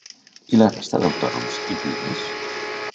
I la resta d’autònoms i pimes?